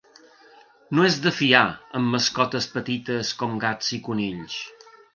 No és de fiar amb mascotes petites com gats i conills.